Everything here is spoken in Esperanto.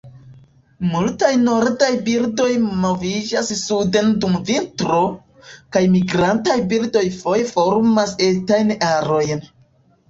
Multaj nordaj birdoj moviĝas suden dum vintro, kaj migrantaj birdoj foje formas etajn arojn.